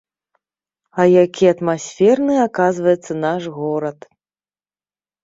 А які атмасферны, аказваецца, наш горад!